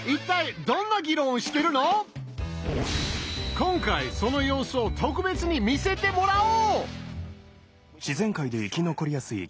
今回その様子を特別に見せてもらおう！